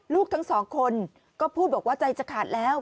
ลูกทั้ง๒คนก็พูดว่าใจจะขาดแล้ว